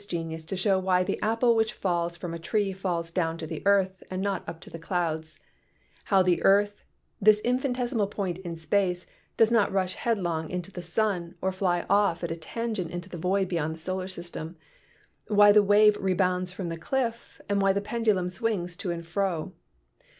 genius to show why the apple which falls from a tree falls down to the earth and not up to the clouds ; how the earth, this infinitesimal point in space, does not rush headlong into the sun or fly off at a tangent into the void beyond the solar system; why the wave re bounds from the cliff and why the pendulum swings to and fro.